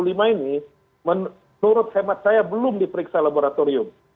kalau yang satu ratus tiga puluh lima dan enam puluh lima ini menurut hemat saya belum diperiksa laboratorium